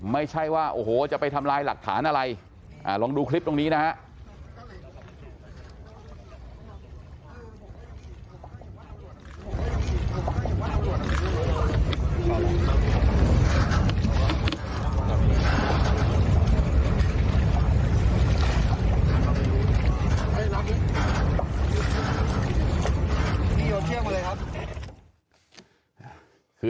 ไม่ใช่ว่าโอ้โหจะไปทำลายหลักฐานอะไรลองดูคลิปตรงนี้นะฮะ